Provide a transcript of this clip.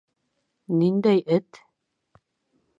— Ниндәй эт?